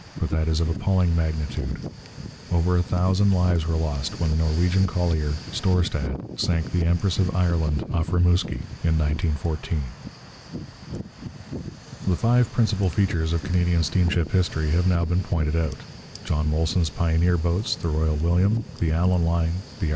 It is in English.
But that is of appalling magnitude. Over a thousand lives were lost when the Norwegian collier Storstad sank the Empress of Ireland off Rimouski in 1914. The five principal features of Canadian steamship history have now been pointed out: John Molson's pioneer boats, the Royal William, the Allan line, the 'R.